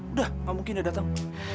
udah gak mungkin dia datang